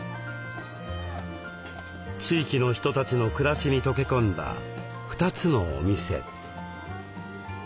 地域の人たちの暮らしに溶け込んだ２つのお店。